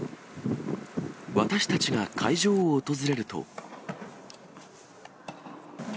私たちが会場を訪れると。